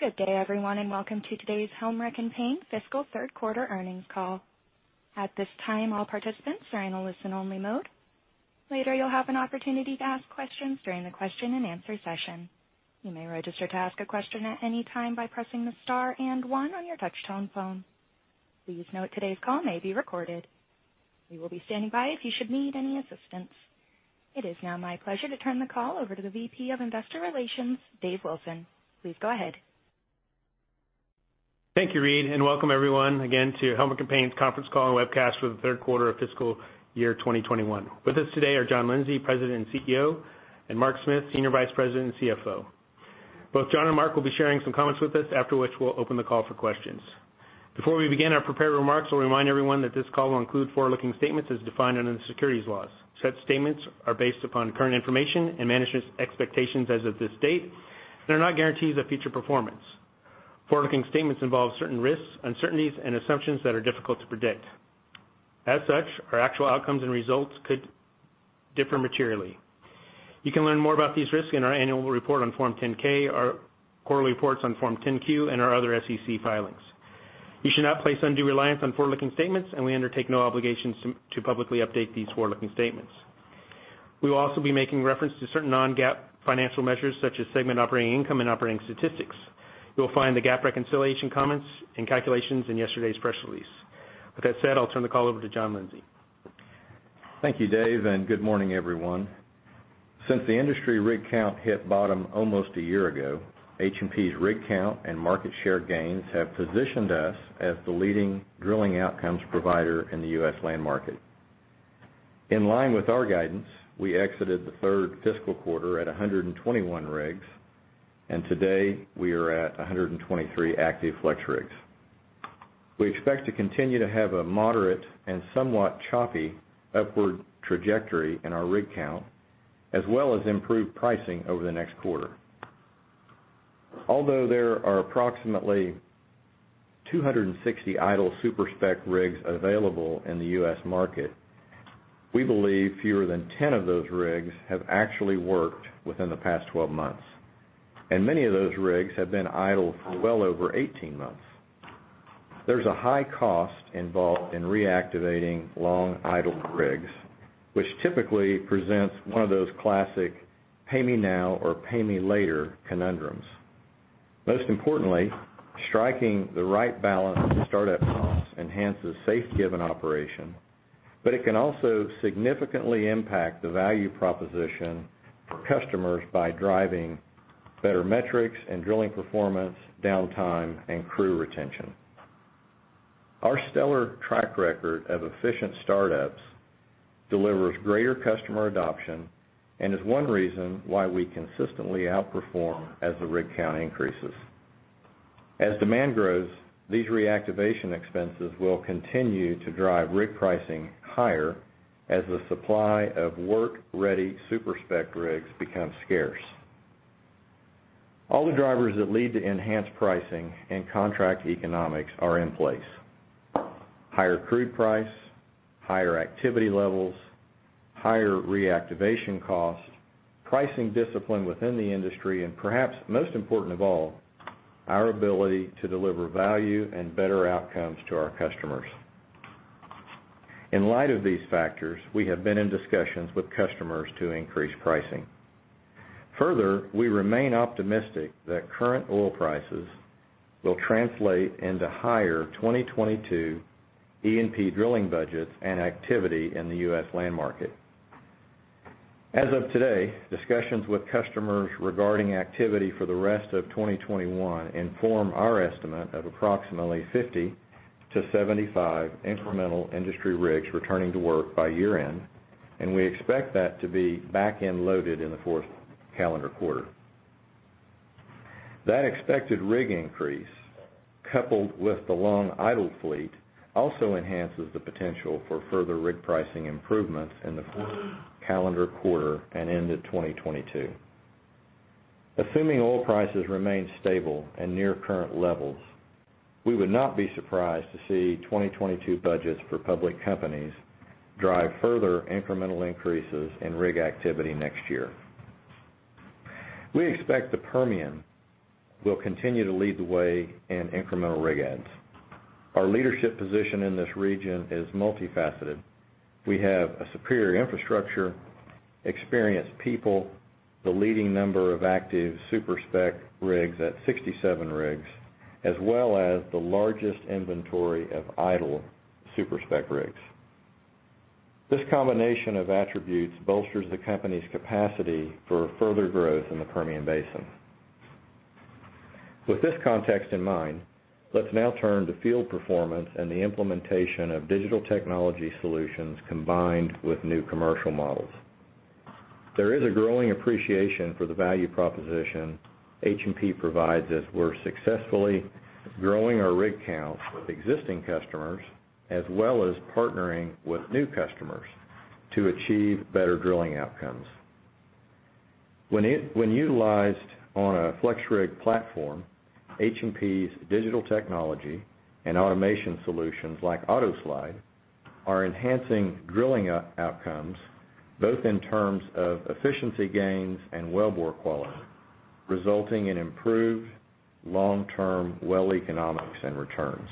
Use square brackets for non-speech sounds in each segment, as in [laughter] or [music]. Good day, everyone, and welcome to today's Helmerich & Payne fiscal third quarter earnings call. At this time, all participants are in a listen-only mode. Later, you'll have an opportunity to ask questions during the question-and-answer session. You may register to ask a question at any time by pressing the star and one on your touchtone phone. Please note today's call may be recorded. We will be standing by if you should need any assistance. It is now my pleasure to turn the call over to the VP of Investor Relations, Dave Wilson. Please go ahead. Thank you, Reed, and welcome everyone again to Helmerich & Payne's conference call and webcast for the third quarter of fiscal year 2021. With us today are John Lindsay, President and CEO, and Mark Smith, Senior Vice President and CFO. Both John and Mark will be sharing some comments with us, after which we'll open the call for questions. Before we begin our prepared remarks, we'll remind everyone that this call will include forward-looking statements as defined under the securities laws. Such statements are based upon current information and management's expectations as of this date and are not guarantees of future performance. Forward-looking statements involve certain risks, uncertainties, and assumptions that are difficult to predict. As such, our actual outcomes and results could differ materially. You can learn more about these risks in our annual report on Form 10-K, our quarterly reports on Form 10-Q, and our other SEC filings. You should not place undue reliance on forward-looking statements, and we undertake no obligations to publicly update these forward-looking statements. We will also be making reference to certain non-GAAP financial measures, such as segment operating income and operating statistics. You will find the GAAP reconciliation comments and calculations in yesterday's press release. With that said, I'll turn the call over to John Lindsay. Thank you, Dave, and good morning, everyone. Since the industry rig count hit bottom almost a year ago, H&P's rig count and market share gains have positioned us as the leading drilling outcomes provider in the U.S. land market. In line with our guidance, we exited the third fiscal quarter at 121 rigs, and today we are at 123 active FlexRigs. We expect to continue to have a moderate and somewhat choppy upward trajectory in our rig count, as well as improved pricing over the next quarter. Although there are approximately 260 idle super-spec rigs available in the U.S. market, we believe fewer than 10 of those rigs have actually worked within the past 12 months, and many of those rigs have been idle for well over 18 months. There's a high cost involved in reactivating long-idle rigs, which typically presents one of those classic pay me now or pay me later conundrums. Most importantly, striking the right balance in startup costs enhances safety of an operation, but it can also significantly impact the value proposition for customers by driving better metrics and drilling performance, downtime, and crew retention. Our stellar track record of efficient startups delivers greater customer adoption and is one reason why we consistently outperform as the rig count increases. As demand grows, these reactivation expenses will continue to drive rig pricing higher as the supply of work-ready super-spec rigs becomes scarce. All the drivers that lead to enhanced pricing and contract economics are in place. Higher crude price, higher activity levels, higher reactivation cost, pricing discipline within the industry, and perhaps most important of all, our ability to deliver value and better outcomes to our customers. In light of these factors, we have been in discussions with customers to increase pricing. We remain optimistic that current oil prices will translate into higher 2022 E&P drilling budgets and activity in the U.S. land market. As of today, discussions with customers regarding activity for the rest of 2021 inform our estimate of approximately 50-75 incremental industry rigs returning to work by year-end, and we expect that to be back-end loaded in the fourth calendar quarter. That expected rig increase, coupled with the long idle fleet, also enhances the potential for further rig pricing improvements in the fourth calendar quarter and into 2022. Assuming oil prices remain stable at near current levels, we would not be surprised to see 2022 budgets for public companies drive further incremental increases in rig activity next year. We expect the Permian will continue to lead the way in incremental rig adds. Our leadership position in this region is multifaceted. We have a superior infrastructure, experienced people, the leading number of active super-spec rigs at 67 rigs, as well as the largest inventory of idle super-spec rigs. This combination of attributes bolsters the company's capacity for further growth in the Permian Basin. With this context in mind, let's now turn to field performance and the implementation of digital technology solutions combined with new commercial models. There is a growing appreciation for the value proposition H&P provides as we're successfully growing our rig count with existing customers, as well as partnering with new customers to achieve better drilling outcomes. When utilized on a FlexRig platform, H&P's digital technology and automation solutions like AutoSlide are enhancing drilling outcomes both in terms of efficiency gains and wellbore quality, resulting in improved long-term well economics and returns.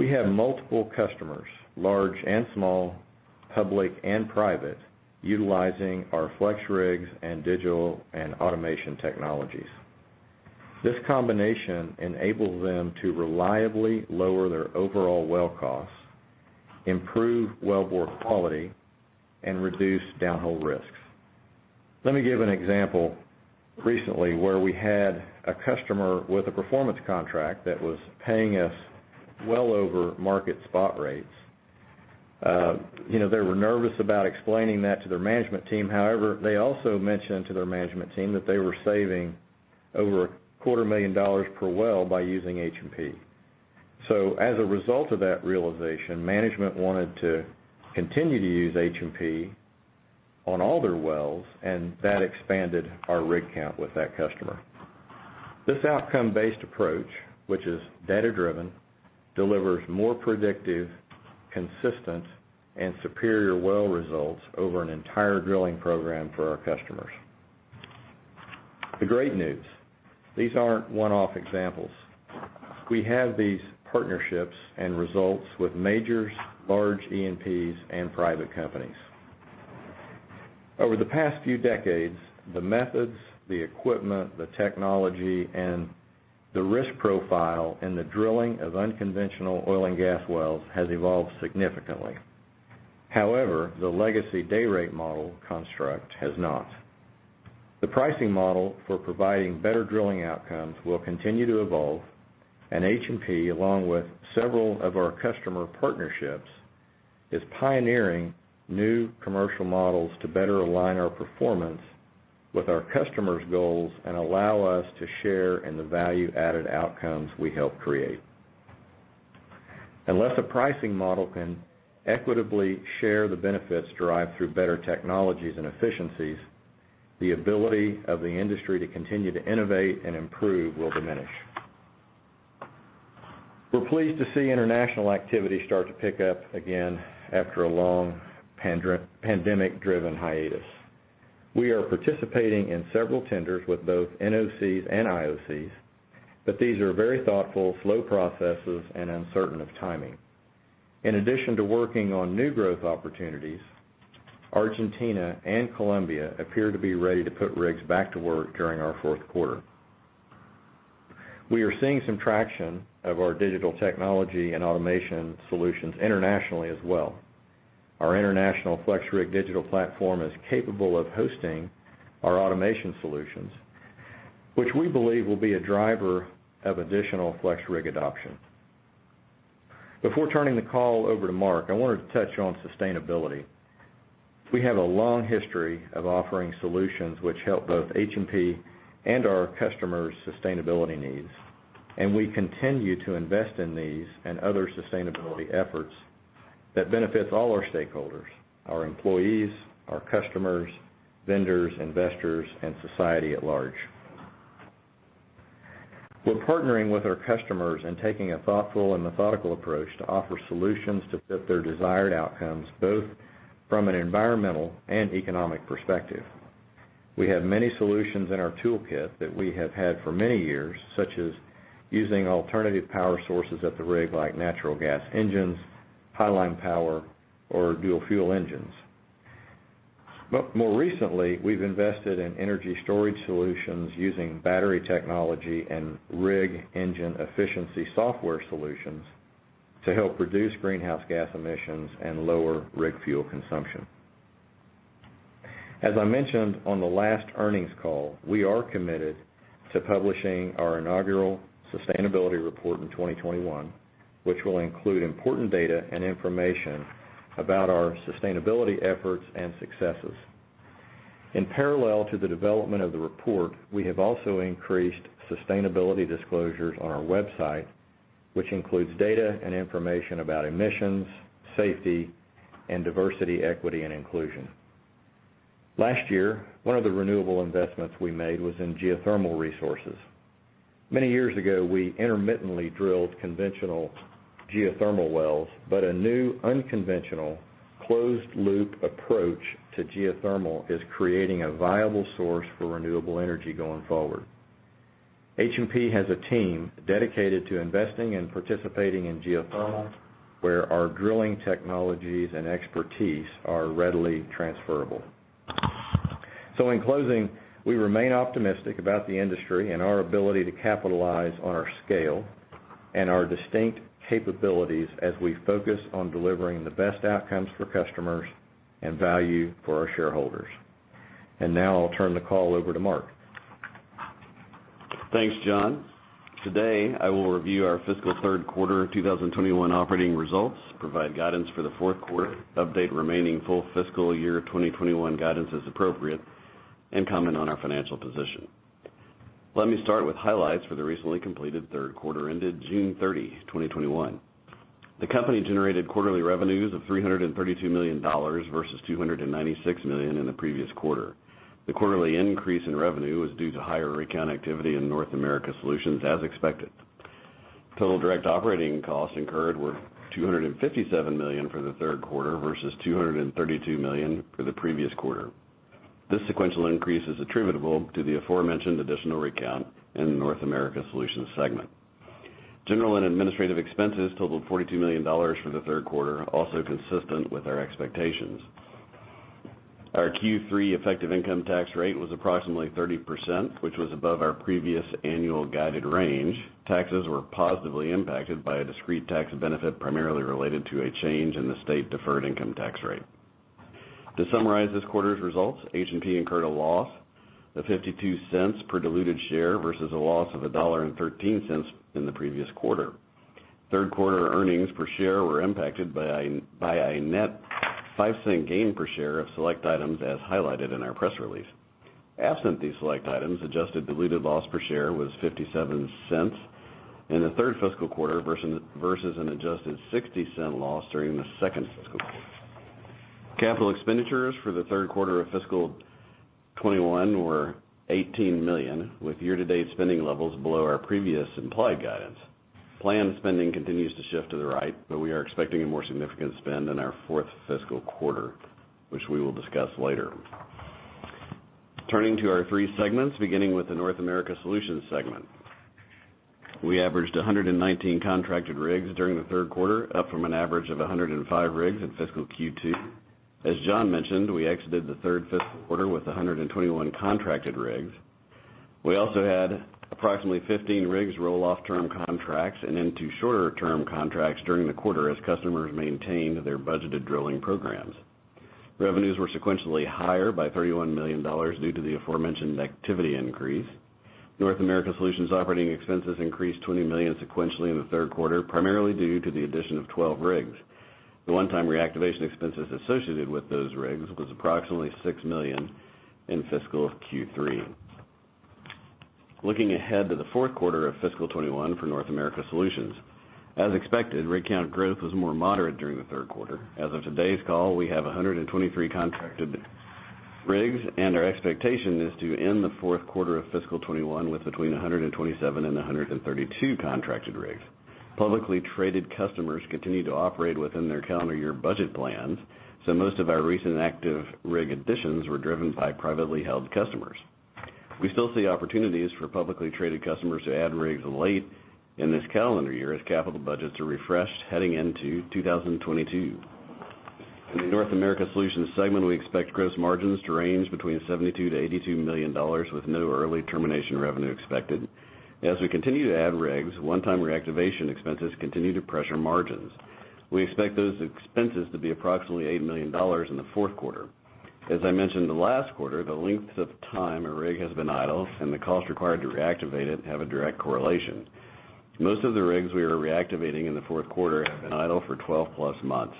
We have multiple customers, large and small, public and private, utilizing our FlexRigs and digital and automation technologies. This combination enables them to reliably lower their overall well costs, improve wellbore quality, and reduce downhole risks. Let me give an example recently where we had a customer with a performance contract that was paying us well over market spot rates. They were nervous about explaining that to their management team. However, they also mentioned to their management team that they were saving over a $250,000 per well by using H&P. As a result of that realization, management wanted to continue to use H&P on all their wells, and that expanded our rig count with that customer. This outcome-based approach, which is data-driven, delivers more predictive, consistent, and superior well results over an entire drilling program for our customers. The great news, these aren't one-off examples. We have these partnerships and results with majors, large E&Ps, and private companies. Over the past few decades, the methods, the equipment, the technology, and the risk profile in the drilling of unconventional oil and gas wells has evolved significantly. However, the legacy day rate model construct has not. The pricing model for providing better drilling outcomes will continue to evolve, and H&P, along with several of our customer partnerships, is pioneering new commercial models to better align our performance with our customers' goals and allow us to share in the value-added outcomes we help create. Unless a pricing model can equitably share the benefits derived through better technologies and efficiencies, the ability of the industry to continue to innovate and improve will diminish. We're pleased to see international activity start to pick up again after a long pandemic-driven hiatus. We are participating in several tenders with both NOCs and IOCs, but these are very thoughtful, slow processes and uncertain of timing. In addition to working on new growth opportunities, Argentina and Colombia appear to be ready to put rigs back to work during our fourth quarter. We are seeing some traction of our digital technology and automation solutions internationally as well. Our international FlexRig digital platform is capable of hosting our automation solutions, which we believe will be a driver of additional FlexRig adoption. Before turning the call over to Mark, I wanted to touch on sustainability. We have a long history of offering solutions which help both H&P and our customers' sustainability needs, and we continue to invest in these and other sustainability efforts that benefits all our stakeholders, our employees, our customers, vendors, investors, and society at large. We're partnering with our customers and taking a thoughtful and methodical approach to offer solutions to fit their desired outcomes, both from an environmental and economic perspective. We have many solutions in our toolkit that we have had for many years, such as using alternative power sources at the rig like natural gas engines, highline power, or dual-fuel engines. More recently, we've invested in energy storage solutions using battery technology and rig engine efficiency software solutions to help reduce greenhouse gas emissions and lower rig fuel consumption. As I mentioned on the last earnings call, we are committed to publishing our inaugural sustainability report in 2021, which will include important data and information about our sustainability efforts and successes. In parallel to the development of the report, we have also increased sustainability disclosures on our website, which includes data and information about emissions, safety, and diversity, equity, and inclusion. Last year, one of the renewable investments we made was in geothermal resources. Many years ago, we intermittently drilled conventional geothermal wells, but a new unconventional closed-loop approach to geothermal is creating a viable source for renewable energy going forward. H&P has a team dedicated to investing and participating in geothermal, where our drilling technologies and expertise are readily transferable. In closing, we remain optimistic about the industry and our ability to capitalize on our scale and our distinct capabilities as we focus on delivering the best outcomes for customers and value for our shareholders. Now I'll turn the call over to Mark. Thanks, John. Today, I will review our fiscal third quarter 2021 operating results, provide guidance for the fourth quarter, update remaining full fiscal year 2021 guidance as appropriate, and comment on our financial position. Let me start with highlights for the recently completed third quarter ended June 30, 2021. The company generated quarterly revenues of $332 million versus $296 million in the previous quarter. The quarterly increase in revenue was due to higher rig count activity in North America Solutions, as expected. Total direct operating costs incurred were $257 million for the third quarter versus $232 million for the previous quarter. This sequential increase is attributable to the aforementioned additional rig count in the North America Solutions segment. General and administrative expenses totaled $42 million for the third quarter, also consistent with our expectations. Our Q3 effective income tax rate was approximately 30%, which was above our previous annual guided range. Taxes were positively impacted by a discrete tax benefit, primarily related to a change in the state deferred income tax rate. To summarize this quarter's results, H&P incurred a loss of $0.52 per diluted share versus a loss of $1.13 in the previous quarter. Third quarter earnings per share were impacted by a net $0.05 gain per share of select items, as highlighted in our press release. Absent these select items, adjusted diluted loss per share was $0.57 in the third fiscal quarter versus an adjusted $0.60 loss during the second fiscal quarter. Capital expenditures for the third quarter of fiscal 2021 were $18 million, with year-to-date spending levels below our previous implied guidance. Planned spending continues to shift to the right, but we are expecting a more significant spend in our fourth fiscal quarter, which we will discuss later. Turning to our three segments, beginning with the North America Solutions segment. We averaged 119 contracted rigs during the third quarter, up from an average of 105 rigs in fiscal Q2. As John mentioned, we exited the third fiscal quarter with 121 contracted rigs. We also had approximately 15 rigs roll off term contracts and into shorter term contracts during the quarter as customers maintained their budgeted drilling programs. Revenues were sequentially higher by $31 million due to the aforementioned activity increase. North America Solutions operating expenses increased $20 million sequentially in the third quarter, primarily due to the addition of 12 rigs. The one-time reactivation expenses associated with those rigs was approximately $6 million in fiscal Q3. Looking ahead to the fourth quarter of fiscal 2021 for North America Solutions. As expected, rig count growth was more moderate during the third quarter. As of today's call, we have 123 contracted rigs, and our expectation is to end the fourth quarter of fiscal 2021 with between 127 and 132 contracted rigs. Publicly traded customers continue to operate within their calendar year budget plans, so most of our recent active rig additions were driven by privately held customers. We still see opportunities for publicly traded customers to add rigs late in this calendar year as capital budgets are refreshed heading into 2022. In the North America Solutions segment, we expect gross margins to range between $72 million-$82 million, with no early termination revenue expected. As we continue to add rigs, one-time reactivation expenses continue to pressure margins. We expect those expenses to be approximately $8 million in the fourth quarter. As I mentioned the last quarter, the length of time a rig has been idle and the cost required to reactivate it have a direct correlation. Most of the rigs we are reactivating in the fourth quarter have been idle for 12+ months.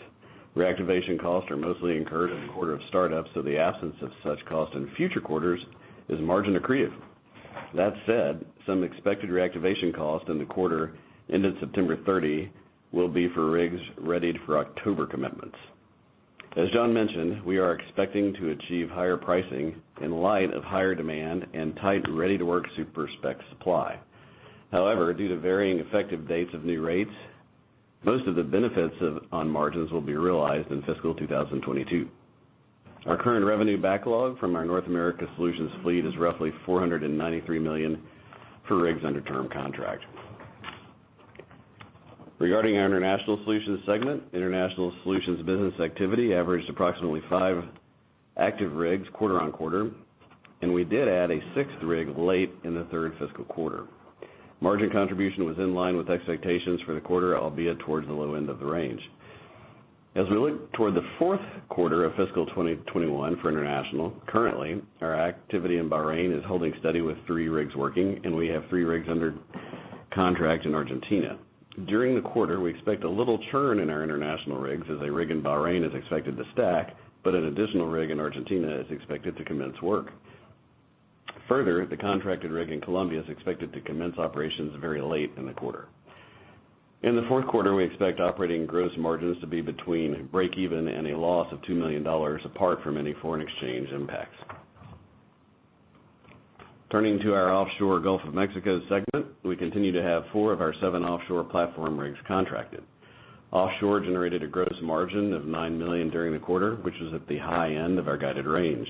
Reactivation costs are mostly incurred in the quarter of startup, so the absence of such cost in future quarters is margin accretive. That said, some expected reactivation cost in the quarter ended September 30 will be for rigs readied for October commitments. As John mentioned, we are expecting to achieve higher pricing in light of higher demand and tight ready-to-work super-spec supply. However, due to varying effective dates of new rates, most of the benefits on margins will be realized in fiscal 2022. Our current revenue backlog from our North America Solutions fleet is roughly $493 million for rigs under term contract. Regarding our International Solutions segment, International Solutions business activity averaged approximately five active rigs quarter-on-quarter, and we did add a sixth rig late in the third fiscal quarter. Margin contribution was in line with expectations for the quarter, albeit towards the low end of the range. As we look toward the fourth quarter of fiscal 2021 for international, currently, our activity in Bahrain is holding steady with three rigs working, and we have three rigs under contract in Argentina. During the quarter, we expect a little churn in our international rigs as a rig in Bahrain is expected to stack, but an additional rig in Argentina is expected to commence work. The contracted rig in Colombia is expected to commence operations very late in the quarter. In the fourth quarter, we expect operating gross margins to be between break even and a loss of $2 million, apart from any foreign exchange impacts. Turning to our offshore Gulf of Mexico segment, we continue to have four of our seven offshore platform rigs contracted. Offshore generated a gross margin of $9 million during the quarter, which is at the high end of our guided range.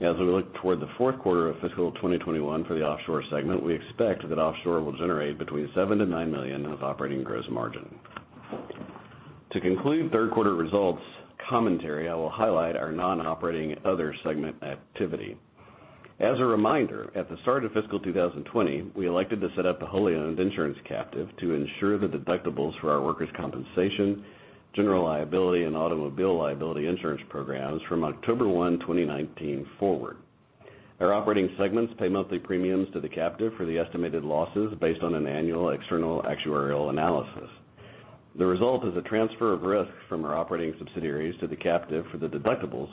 As we look toward the fourth quarter of fiscal 2021 for the offshore segment, we expect that Offshore will generate between $7 million-$9 million of operating gross margin. To conclude third quarter results commentary, I will highlight our non-operating other segment activity. As a reminder, at the start of fiscal 2020, we elected to set up a wholly owned insurance captive to insure the deductibles for our workers' compensation, general liability, and automobile liability insurance programs from October 1, 2019 forward. Our operating segments pay monthly premiums to the captive for the estimated losses based on an annual external actuarial analysis. The result is a transfer of risk from our operating subsidiaries to the captive for the deductibles,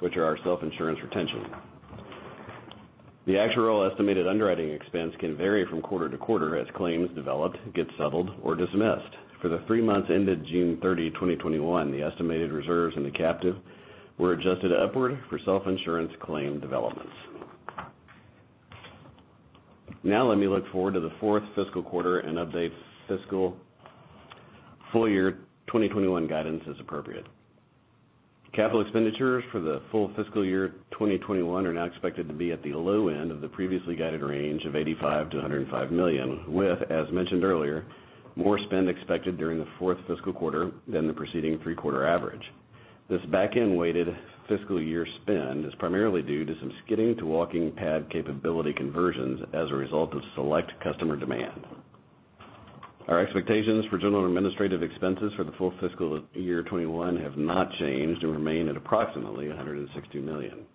which are our self-insured retention. The actuarial estimated underwriting expense can vary from quarter to quarter as claims developed get settled or dismissed. For the three months ended June 30, 2021, the estimated reserves in the captive were adjusted upward for self-insurance claim developments. Let me look forward to the fourth fiscal quarter and update fiscal full year 2021 guidance as appropriate. Capital expenditures for the full fiscal year 2021 are now expected to be at the low end of the previously guided range of $85 million-$105 million, with, as mentioned earlier, more spend expected during the fourth fiscal quarter than the preceding three-quarter average. This back-end-weighted fiscal year spend is primarily due to some skidding to walking pad capability conversions as a result of select customer demand. Our expectations for general administrative expenses for the full fiscal year 2021 have not changed and remain at approximately $160 million.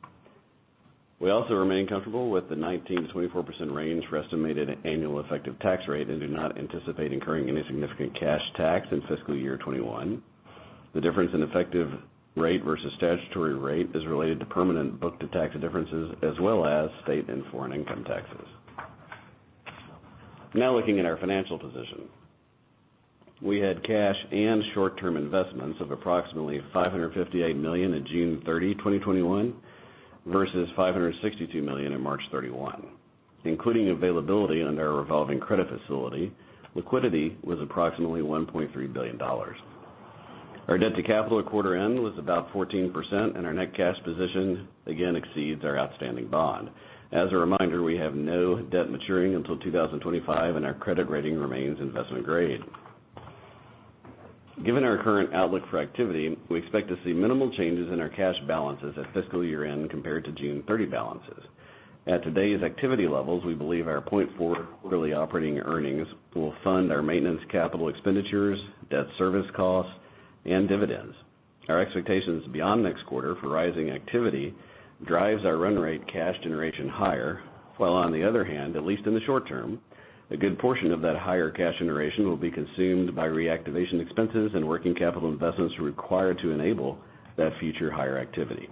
We also remain comfortable with the 19%-24% range for estimated annual effective tax rate and do not anticipate incurring any significant cash tax in fiscal year 2021. The difference in effective rate versus statutory rate is related to permanent book-to-tax differences, as well as state and foreign income taxes. Looking at our financial position. We had cash and short-term investments of approximately $558 million at June 30, 2021, versus $562 million at March 31. Including availability under our revolving credit facility, liquidity was approximately $1.3 billion. Our debt to capital at quarter end was about 14%, and our net cash position again exceeds our outstanding bond. As a reminder, we have no debt maturing until 2025, and our credit rating remains investment grade. Given our current outlook for activity, we expect to see minimal changes in our cash balances at fiscal year-end compared to June 30 balances. At today's activity levels, we believe our quarterly operating earnings will fund our maintenance capital expenditures, debt service costs, and dividends. Our expectations beyond next quarter for rising activity drives our run rate cash generation higher, while on the other hand, at least in the short term, a good portion of that higher cash generation will be consumed by reactivation expenses and working capital investments required to enable that future higher activity.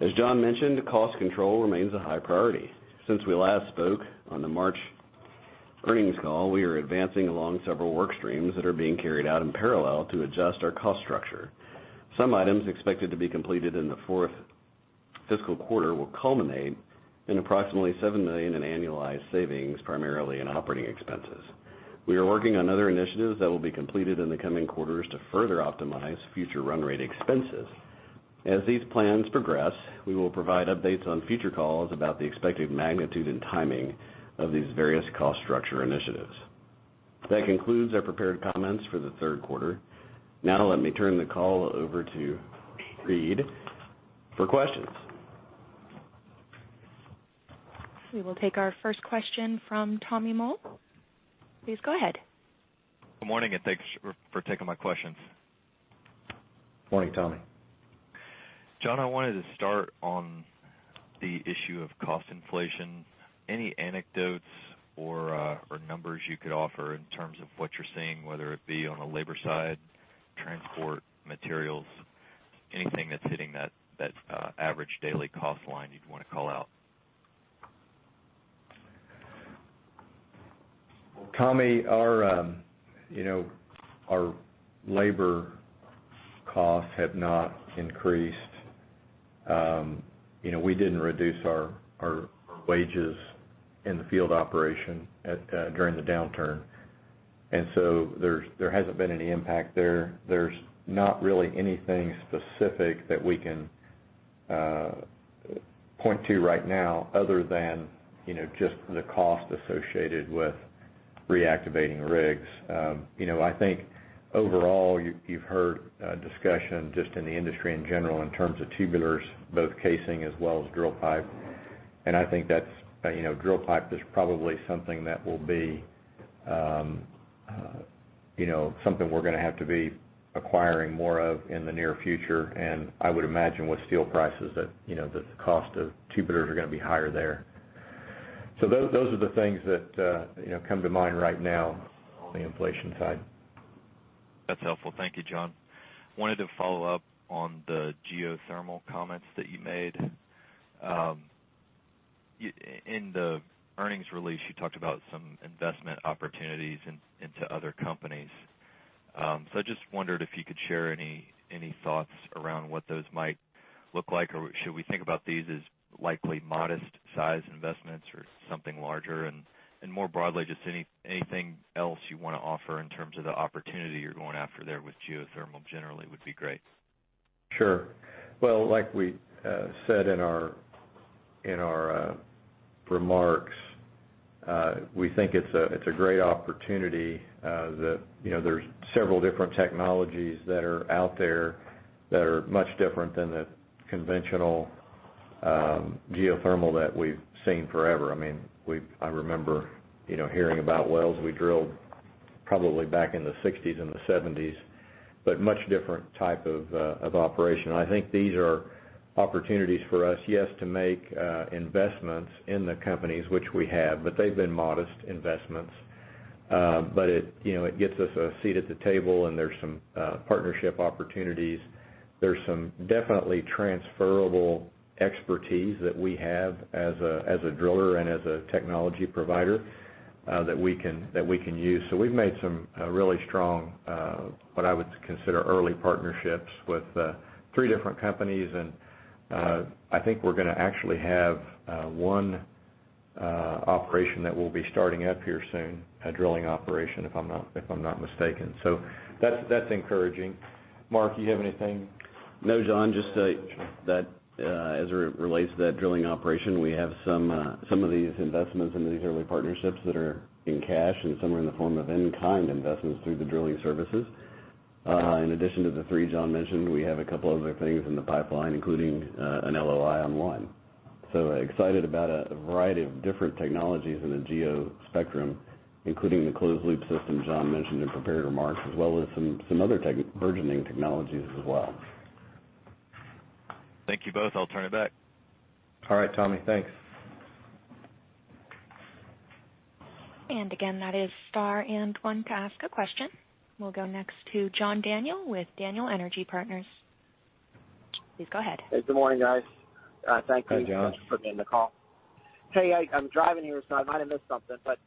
As John mentioned, cost control remains a high priority. Since we last spoke on the March earnings call, we are advancing along several work streams that are being carried out in parallel to adjust our cost structure. Some items expected to be completed in the fourth fiscal quarter will culminate in approximately $7 million in annualized savings, primarily in operating expenses. We are working on other initiatives that will be completed in the coming quarters to further optimize future run rate expenses. As these plans progress, we will provide updates on future calls about the expected magnitude and timing of these various cost structure initiatives. That concludes our prepared comments for the third quarter. Now let me turn the call over to Reed for questions. We will take our first question from Tommy Moll. Please go ahead. Good morning, and thanks for taking my questions. Morning, Tommy. John, I wanted to start on the issue of cost inflation. Any anecdotes or numbers you could offer in terms of what you're seeing, whether it be on the labor side, transport, materials, anything that's hitting that average daily cost line you'd want to call out? Tommy, our labor costs have not increased. We didn't reduce our wages in the field operation during the downturn, there hasn't been any impact there. There's not really anything specific that we can point to right now other than just the cost associated with reactivating rigs. I think overall, you've heard discussion just in the industry in general in terms of tubulars, both casing as well as drill pipe. I think drill pipe is probably something we're going to have to be acquiring more of in the near future, and I would imagine with steel prices that the cost of tubulars are going to be higher there. Those are the things that come to mind right now on the inflation side. That's helpful. Thank you, John. I wanted to follow up on the geothermal comments that you made. Yeah. In the earnings release, you talked about some investment opportunities into other companies. I just wondered if you could share any thoughts around what those might look like, or should we think about these as likely modest-size investments or something larger? More broadly, just any anything else you want to offer in terms of the opportunity you're going after there with geothermal generally would be great. Sure. Well, like we said in our remarks, we think it's a great opportunity that there's several different technologies that are out there that are much different than the conventional geothermal that we've seen forever. I remember hearing about wells we drilled probably back in the 1960s and the 1970s, but much different type of operation. I think these are opportunities for us, yes, to make investments in the companies, which we have, but they've been modest investments. It gets us a seat at the table, and there's some partnership opportunities. There's some definitely transferrable expertise that we have as a driller and as a technology provider. that we can use. We've made some really strong, what I would consider early partnerships with three different companies, and I think we're going to actually have one operation that we'll be starting up here soon, a drilling operation, if I'm not mistaken. That's encouraging. Mark, you have anything? No, John, just that as it relates to that drilling operation, we have some of these investments into these early partnerships that are in cash and some are in the form of in-kind investments through the drilling services. In addition to the three John mentioned, we have two other things in the pipeline, including an LOI on one. Excited about a variety of different technologies in the geo spectrum, including the closed loop system John mentioned in prepared remarks, as well as some other burgeoning technologies as well. Thank you both. I'll turn it back. All right, Tommy. Thanks. Again, that is star and one to ask a question. We'll go next to John Daniel with Daniel Energy Partners. Please go ahead. Good morning, guys. Hi, John. Thank you for being on the call. Hey, I'm driving here, so I might have missed something, but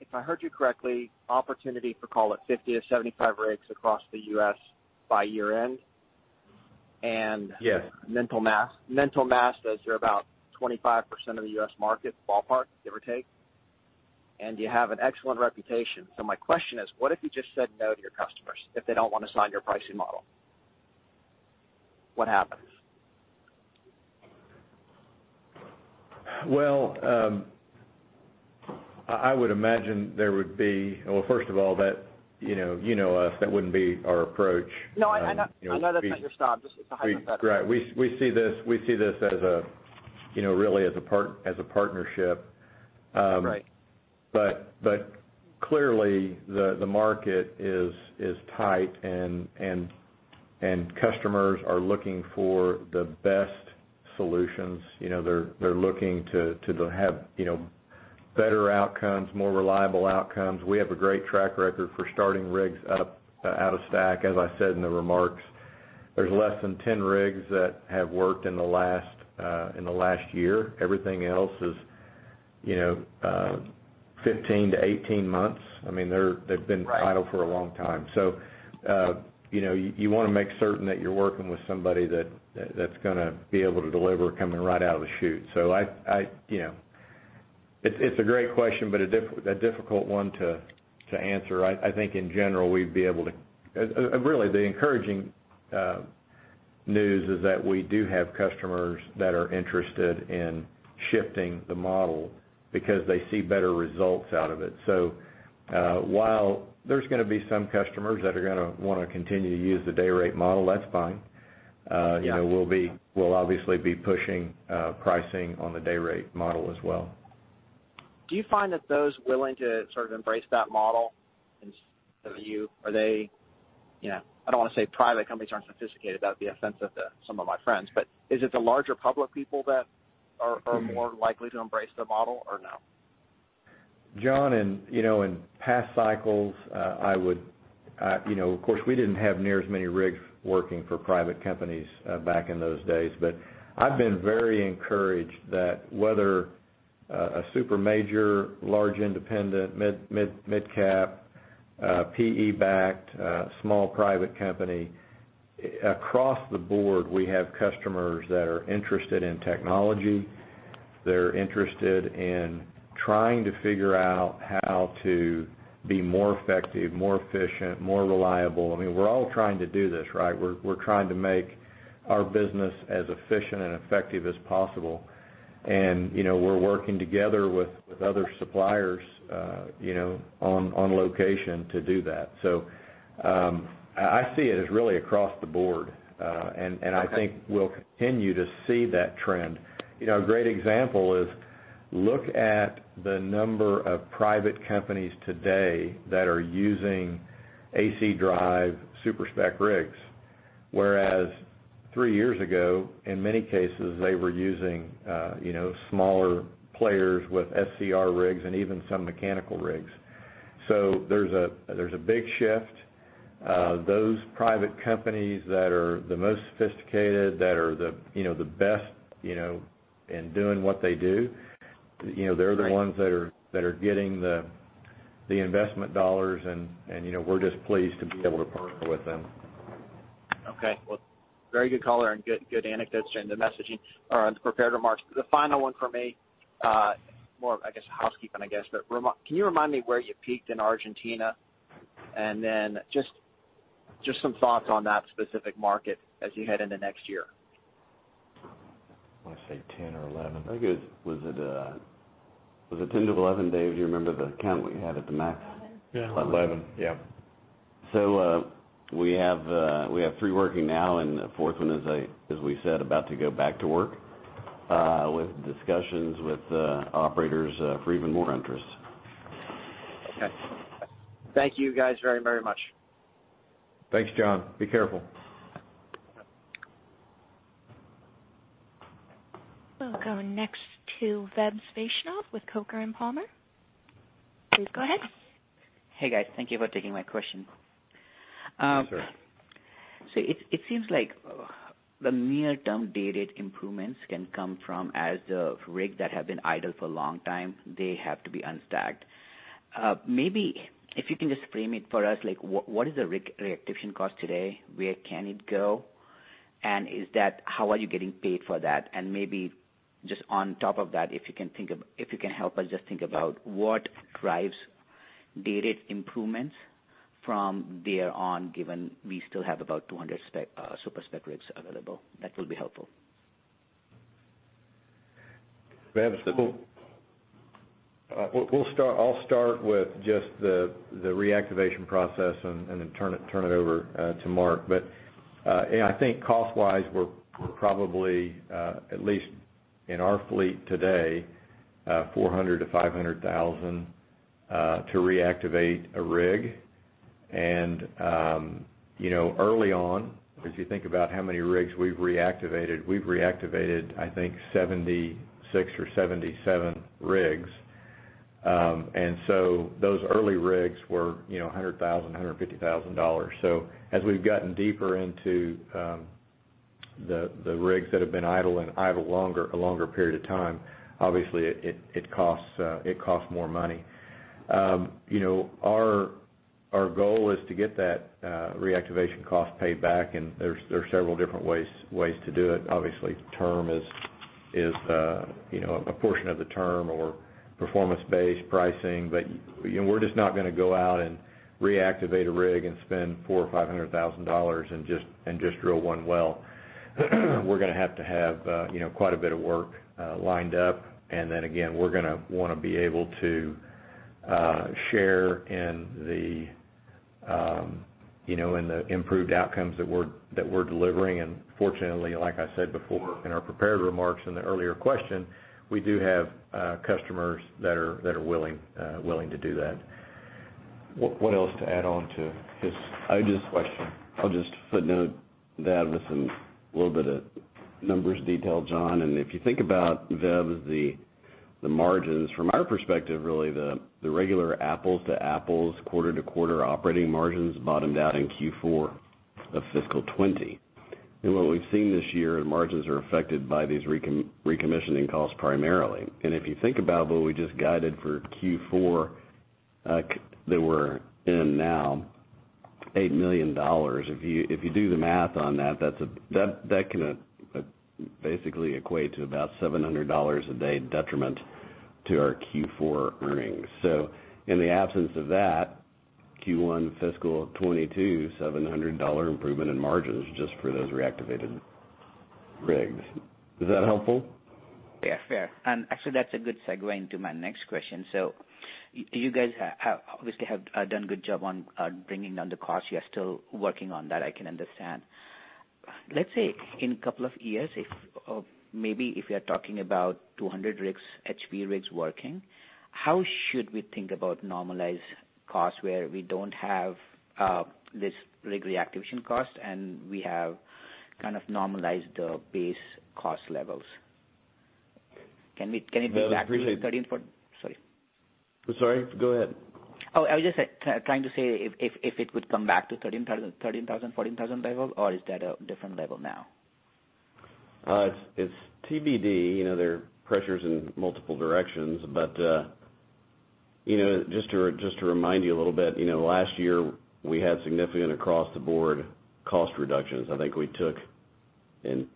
if I heard you correctly, opportunity for call it 50 or 75 rigs across the U.S. by year end. Yes. Mental math says you're about 25% of the U.S. market, ballpark, give or take, and you have an excellent reputation. My question is, what if you just said no to your customers if they don't want to sign your pricing model? What happens? Well, first of all, you know us, that wouldn't be our approach. No, I know that's not your style. Just it's a hypothesis. Right. We see this really as a partnership. Right. Clearly, the market is tight and customers are looking for the best solutions. They're looking to have better outcomes, more reliable outcomes. We have a great track record for starting rigs up out of stack. As I said in the remarks, there's less than 10 rigs that have worked in the last year. Everything else is 15-18 months. Right idle for a long time. You want to make certain that you're working with somebody that's going to be able to deliver coming right out of the chute. It's a great question, but a difficult one to answer. I think in general, Really, the encouraging news is that we do have customers that are interested in shifting the model because they see better results out of it. While there's going to be some customers that are going to want to continue to use the day rate model, that's fine. Yeah. We'll obviously be pushing pricing on the day rate model as well. Do you find that those willing to sort of embrace that model are they, I don't want to say private companies aren't sophisticated, that would be offensive to some of my friends, but is it the larger public people that are more likely to embrace the model or no? John, in past cycles, of course, we didn't have near as many rigs working for private companies back in those days, but I've been very encouraged that whether a super major, large independent, midcap, PE-backed, small private company, across the board, we have customers that are interested in technology. They're interested in trying to figure out how to be more effective, more efficient, more reliable. We're all trying to do this, right? We're trying to make our business as efficient and effective as possible. We're working together with other suppliers on location to do that. I see it as really across the board. Okay. I think we'll continue to see that trend. A great example is look at the number of private companies today that are using AC drive super-spec rigs. Three years ago, in many cases, they were using smaller players with SCR rigs and even some mechanical rigs. There's a big shift. Those private companies that are the most sophisticated, that are the best in doing what they do, they're the ones that are getting the investment dollars, and we're just pleased to be able to partner with them. Okay. Well, very good color and good anecdotes in the messaging or in the prepared remarks. The final one from me, more of I guess housekeeping, but can you remind me where you peaked in Argentina? Just some thoughts on that specific market as you head into next year. I want to say 10 or 11. I think it was 10 to 11. Dave, do you remember the count we had at the max? 11. Yeah, 11. We have three working now, and the four one, as we said, about to go back to work with discussions with operators for even more interest. Okay. Thank you guys very, very much. Thanks, John. Be careful. We'll go next to Vaibhav (Vebs) Vaishnav with Coker & Palmer. Please go ahead. Hey, guys. Thank you for taking my question. Yes, sir. It seems like the near-term day rate improvements can come from as the rigs that have been idle for a long time, they have to be unstacked. Maybe if you can just frame it for us, what is the rig reactivation cost today? Where can it go, and how are you getting paid for that? Maybe just on top of that, if you can help us just think about what drives day rate improvements from there on, given we still have about 200 super-spec rigs available. That will be helpful. Vaibhav (Vebs) Vaishnav, I'll start with just the reactivation process and then turn it over to Mark. I think cost-wise, we're probably, at least in our fleet today, $400,000-$500,000 to reactivate a rig. Early on, if you think about how many rigs we've reactivated, we've reactivated, I think 76 or 77 rigs. Those early rigs were $100,000, $150,000. As we've gotten deeper into the rigs that have been idle and idle a longer period of time, obviously it costs more money. Our goal is to get that reactivation cost paid back, and there's several different ways to do it. Obviously, a portion of the term or performance-based pricing. We're just not going to go out and reactivate a rig and spend $400,000 or $500,000 and just drill one well. We're going to have to have quite a bit of work lined up, and then again, we're going to want to be able to share in the improved outcomes that we're delivering. Fortunately, like I said before, in our prepared remarks in the earlier question, we do have customers that are willing to do that. What else to add on to his question? I'll just footnote that with a little bit of numbers detail, John. If you think about, Vaibhav (Vebs) Vaishnav, the margins from our perspective, really the regular apples to apples quarter to quarter operating margins bottomed out in Q4 of fiscal 2020. What we've seen this year, and margins are affected by these recommissioning costs primarily. If you think about what we just guided for Q4 that we're in now, $8 million. If you do the math on that can basically equate to about $700 a day detriment to our Q4 earnings. In the absence of that Q1 fiscal 2022, $700 improvement in margins just for those reactivated rigs. Is that helpful? Yeah, fair. Actually, that's a good segue into my next question. You guys obviously have done a good job on bringing down the cost. You are still working on that, I can understand. Let's say in couple of years, if maybe if we are talking about 200 rigs, H&P rigs working, how should we think about normalized costs where we don't have this rig reactivation cost, and we have kind of normalized the base cost levels? Can it be back to? [inaudible] Sorry. I'm sorry. Go ahead. Oh, I was just trying to say, if it would come back to $13,000, $14,000 level, or is that a different level now? It's TBD. There are pressures in multiple directions. Just to remind you a little bit, last year we had significant across the board cost reductions. I think we took, in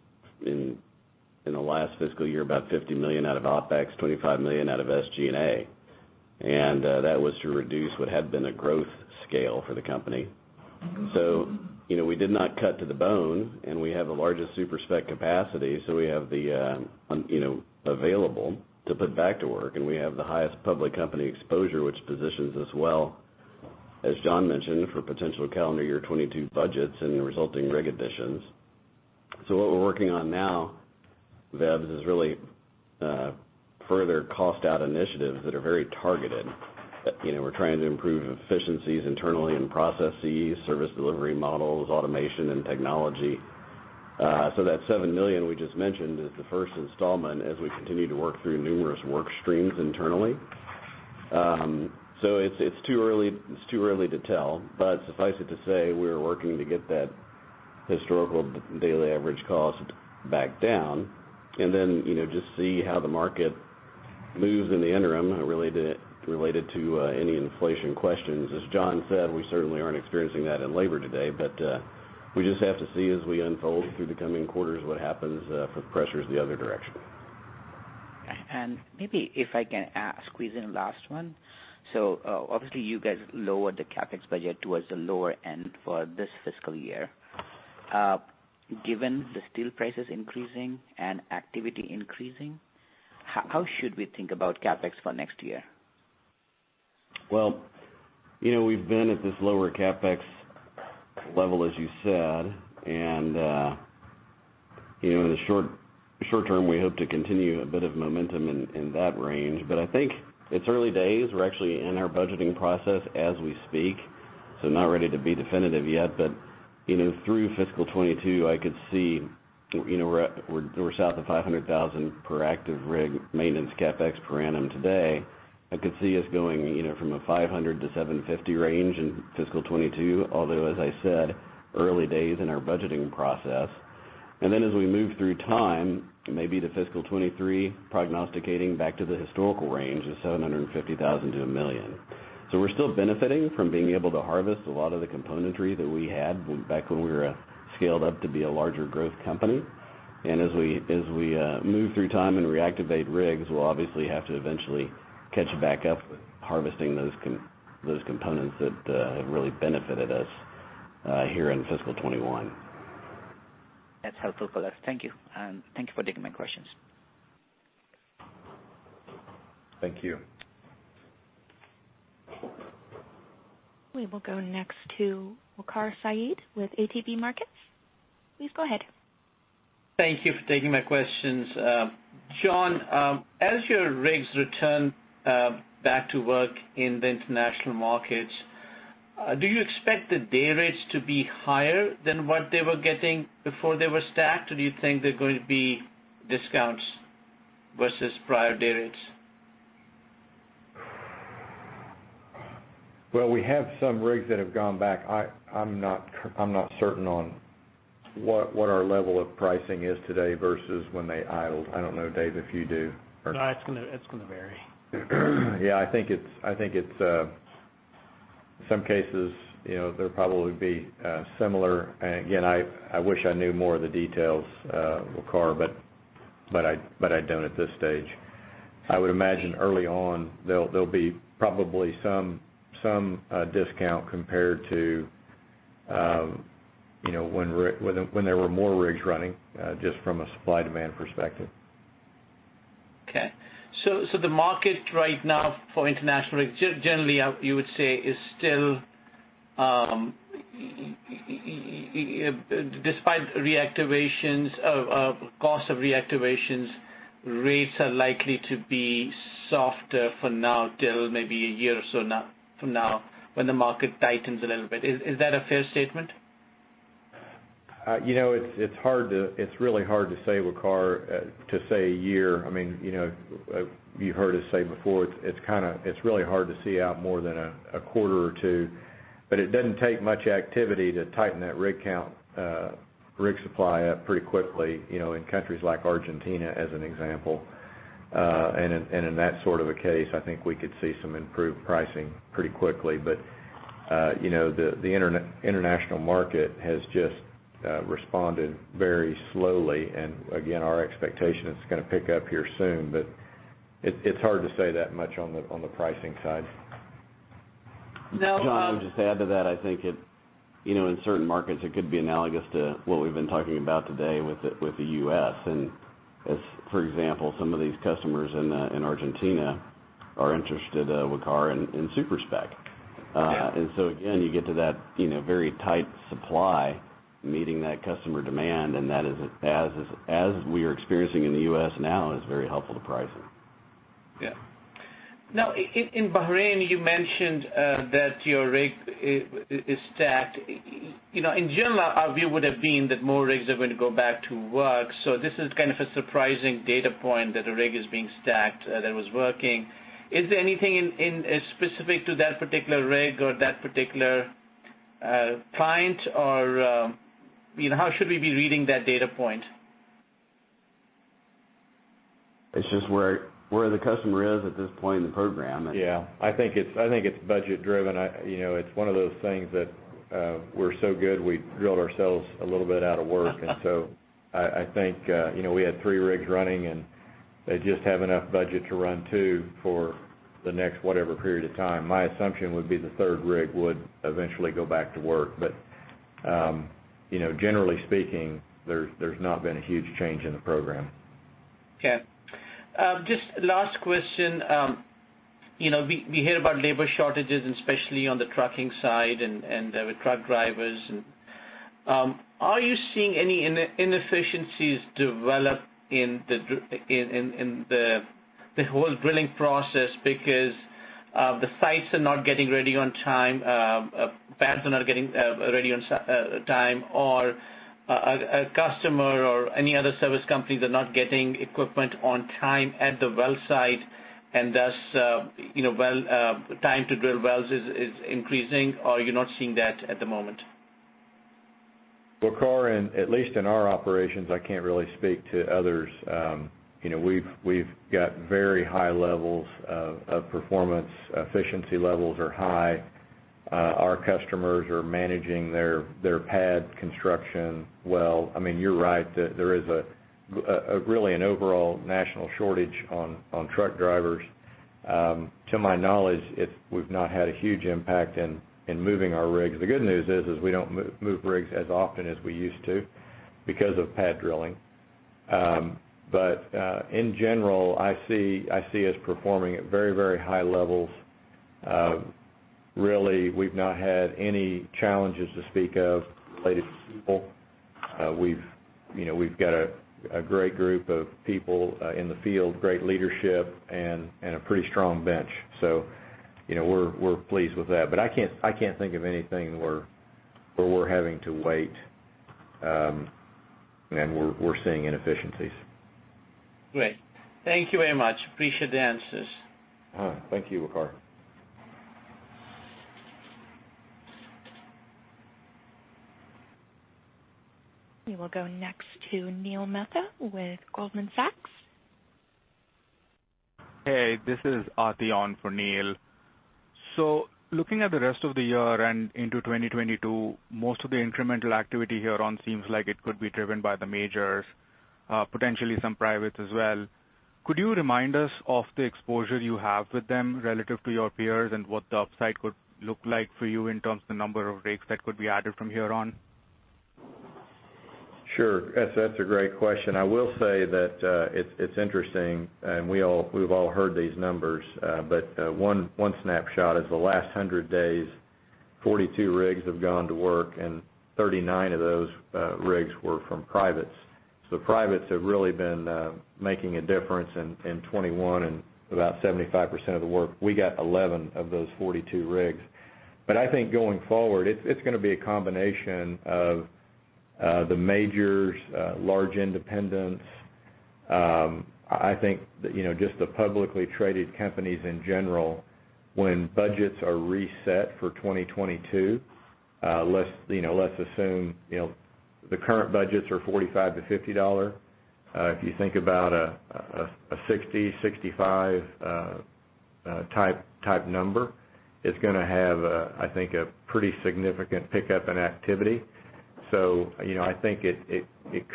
the last fiscal year, about $50 million out of OpEx, $25 million out of SG&A, and that was to reduce what had been a growth scale for the company. We did not cut to the bone, and we have the largest super-spec capacity, so we have the available to put back to work, and we have the highest public company exposure, which positions us well, as John mentioned, for potential calendar year 2022 budgets and the resulting rig additions. What we're working on now, Vaibhav (Vebs) Vaishnav, is really further cost-out initiatives that are very targeted. We're trying to improve efficiencies internally and processes, service delivery models, automation, and technology. That $7 million we just mentioned is the first installment as we continue to work through numerous work streams internally. It's too early to tell, but suffice it to say, we're working to get that historical daily average cost back down and then just see how the market moves in the interim related to any inflation questions. As John said, we certainly aren't experiencing that in labor today, but we just have to see as we unfold through the coming quarters what happens for pressures the other direction. Maybe if I can squeeze in last one? Obviously you guys lowered the CapEx budget towards the lower end for this fiscal year. Given the steel prices increasing and activity increasing, how should we think about CapEx for next year? Well, we've been at this lower CapEx level, as you said. In the short term, we hope to continue a bit of momentum in that range. I think it's early days. We're actually in our budgeting process as we speak, so not ready to be definitive yet. Through fiscal 2022, I could see we're south of $500,000 per active rig maintenance CapEx per annum today. I could see us going from a $500,000-$750,000 range in fiscal 2022, although, as I said, early days in our budgeting process. As we move through time, maybe to fiscal 2023, prognosticating back to the historical range of $750,000-$1 million. We're still benefiting from being able to harvest a lot of the componentry that we had back when we were scaled up to be a larger growth company. As we move through time and reactivate rigs, we'll obviously have to eventually catch back up with harvesting those components that have really benefited us here in fiscal 2021. That's helpful for us. Thank you. Thank you for taking my questions. Thank you. We will go next to Waqar Syed with ATB Markets. Please go ahead. Thank you for taking my questions. John, as your rigs return back to work in the international markets, do you expect the day rates to be higher than what they were getting before they were stacked, or do you think they're going to be discounts versus prior day rates? Well, we have some rigs that have gone back. I'm not certain on what our level of pricing is today versus when they idled. I don't know, Dave, if you do. No, it's going to vary. Yeah, I think it's, some cases, they'll probably be similar. Again, I wish I knew more of the details, Waqar, but I don't at this stage. I would imagine early on, there'll be probably some discount compared to when there were more rigs running, just from a supply-demand perspective. The market right now for international rigs, generally, you would say is still, despite cost of reactivations, rates are likely to be softer for now till maybe a year or so from now when the market tightens a little bit. Is that a fair statement? It's really hard to say, Waqar, to say one year. You've heard us say before, it's really hard to see out more than one quarter or two. It doesn't take much activity to tighten that rig count, rig supply up pretty quickly, in countries like Argentina, as an example. In that sort of a case, I think we could see some improved pricing pretty quickly. The international market has just responded very slowly, and again, our expectation is it's going to pick up here soon. It's hard to say that much on the pricing side. John, I'll just add to that. I think in certain markets, it could be analogous to what we've been talking about today with the U.S. For example, some of these customers in Argentina are interested, Waqar, in super-spec. Yeah. Again, you get to that very tight supply meeting that customer demand, and that is, as we are experiencing in the U.S. now, is very helpful to pricing. Yeah. Now, in Bahrain, you mentioned that your rig is stacked. In general, our view would've been that more rigs are going to go back to work. This is kind of a surprising data point that a rig is being stacked that was working. Is there anything specific to that particular rig or that particular client, or how should we be reading that data point? It's just where the customer is at this point in the program. Yeah, I think it's budget-driven. It's one of those things that we're so good, we drilled ourselves a little bit out of work. I think, we had three rigs running, and they just have enough budget to run two for the next whatever period of time. My assumption would be the third rig would eventually go back to work. Generally speaking, there's not been a huge change in the program. Okay. Just last question. We hear about labor shortages, especially on the trucking side and with truck drivers. Are you seeing any inefficiencies develop in the whole drilling process because the sites are not getting ready on time, pads are not getting ready on time, or a customer or any other service companies are not getting equipment on time at the well site, and thus, time to drill wells is increasing, or you're not seeing that at the moment? Waqar, at least in our operations, I can't really speak to others. We've got very high levels of performance. Efficiency levels are high. Our customers are managing their pad construction well. You're right, there is really an overall national shortage on truck drivers. To my knowledge, we've not had a huge impact in moving our rigs. The good news is we don't move rigs as often as we used to because of pad drilling. In general, I see us performing at very, very high levels. Really, we've not had any challenges to speak of related to people. We've got a great group of people in the field, great leadership, and a pretty strong bench. We're pleased with that. I can't think of anything where we're having to wait, and we're seeing inefficiencies. Great. Thank you very much. Appreciate the answers. All right. Thank you, Waqar. We will go next to Neil Mehta with Goldman Sachs. Hey, this is Atyon for Neil. Looking at the rest of the year and into 2022, most of the incremental activity here on seems like it could be driven by the majors, potentially some privates as well. Could you remind us of the exposure you have with them relative to your peers and what the upside could look like for you in terms of the number of rigs that could be added from here on? Sure. That's a great question. I will say that it's interesting, and we've all heard these numbers. One snapshot is the last 100 days, 42 rigs have gone to work, and 39 of those rigs were from privates. Privates have really been making a difference in 2021 and about 75% of the work. We got 11 of those 42 rigs. I think going forward, it's going to be a combination of the majors, large independents. I think that just the publicly traded companies in general, when budgets are reset for 2022, let's assume the current budgets are $45-$50. If you think about a %60, $65 type number, it's going to have, I think, a pretty significant pickup in activity. I think it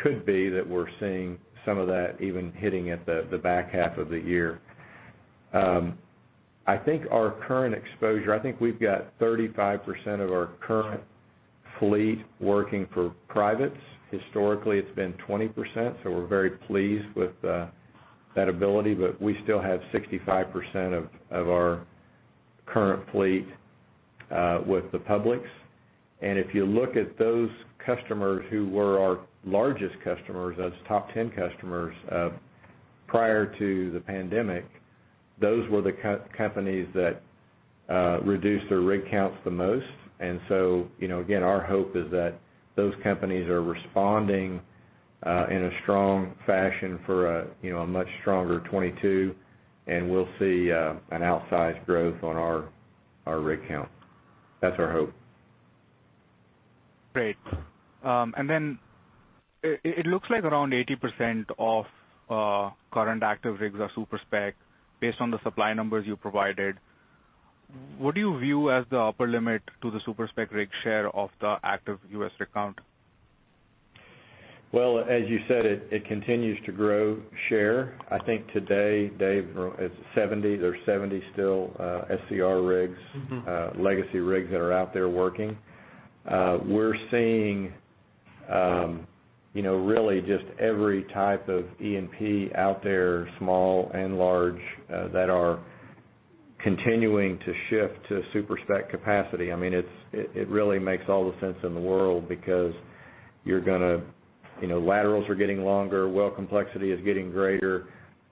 could be that we're seeing some of that even hitting at the back half of the year. I think our current exposure, we've got 35% of our current fleet working for privates. Historically, it's been 20%, so we're very pleased with that ability. We still have 65% of our current fleet with the publics. If you look at those customers who were our largest customers, those top 10 customers prior to the pandemic, those were the companies that reduced their rig counts the most. Again, our hope is that those companies are responding in a strong fashion for a much stronger 2022, and we'll see an outsized growth on our rig count. That's our hope. Great. It looks like around 80% of current active rigs are super-spec, based on the supply numbers you provided. What do you view as the upper limit to the super-spec rig share of the active U.S. rig count? Well, as you said, it continues to grow share. I think today, Dave, there's 70 still SCR rigs. Legacy rigs that are out there working. We're seeing really just every type of E&P out there, small and large, that are continuing to shift to super-spec capacity. It really makes all the sense in the world because laterals are getting longer, well complexity is getting greater,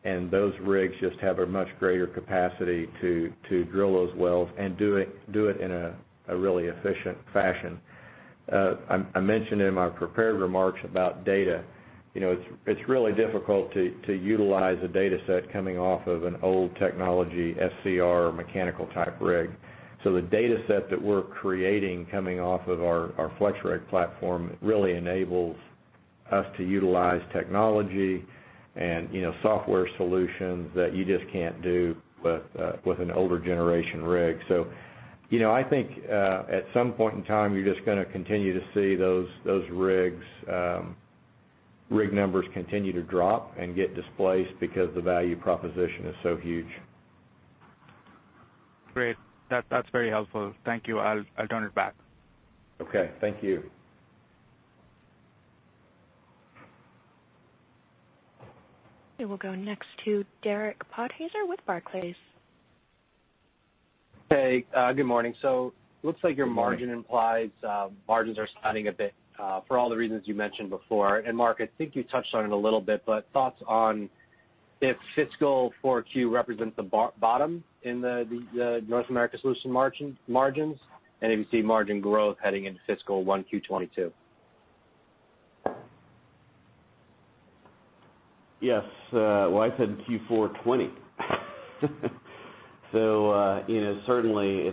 and those rigs just have a much greater capacity to drill those wells and do it in a really efficient fashion. I mentioned in my prepared remarks about data. It's really difficult to utilize a data set coming off of an old technology SCR or mechanical type rig. The data set that we're creating coming off of our FlexRig platform really enables us to utilize technology and software solutions that you just can't do with an older generation rig. I think, at some point in time, you're just going to continue to see those rig numbers continue to drop and get displaced because the value proposition is so huge. Great. That's very helpful. Thank you. I'll turn it back. Okay. Thank you. We will go next to Derek Podhaizer with Barclays. Hey, good morning. Good morning. Looks like your margin implies margins are spanning a bit for all the reasons you mentioned before. Mark, I think you touched on it a little bit, but thoughts on if fiscal 4Q represents the bottom in the North America Solutions margins, and if you see margin growth heading into fiscal 1Q 2022? Yes. Well, I said Q4 2020. Certainly,